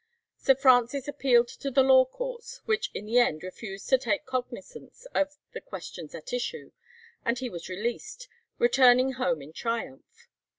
Sir Francis appealed to the law courts, which in the end refused to take cognizance of the questions at issue, and he was released, returning home in triumph.